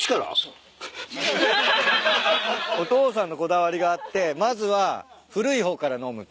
お父さんのこだわりがあってまずは古い方から飲むと。